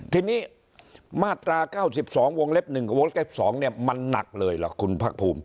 ทีนี้มาตรา๙๒วงเล็บ๑กับวงเล็บ๒มันหนักเลยล่ะคุณภาคภูมิ